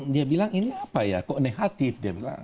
dia bilang ini apa ya kok negatif